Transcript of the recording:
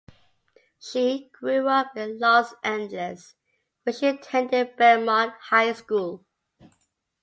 She grew up in Los Angeles, where she attended Belmont High School.